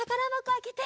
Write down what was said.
あけて。